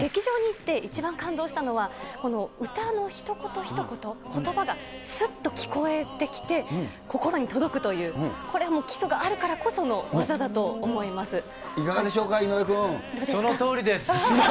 劇場に行って一番感動したのは、この歌のひと言ひと言、ことばがすっと聴こえてきて、心に届くという、これも基礎があいかがでしょうか、井上君。